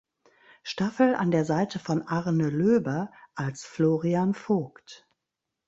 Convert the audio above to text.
Staffel an der Seite von Arne Löber als Florian Vogt.